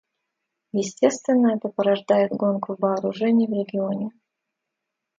Естественно, это порождает гонку вооружений в регионе.